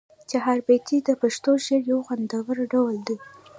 چهاربیتې د پښتو شعر یو خوندور ډول دی.